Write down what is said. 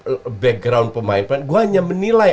latar belakang pemain aku hanya menilai